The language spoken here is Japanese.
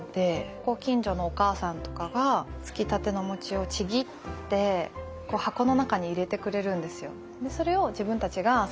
ご近所のお母さんとかがつきたてのお餅をちぎって箱の中に入れてくれるんですよ。